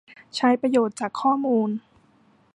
ใช้ประโยชน์จากข้อมูล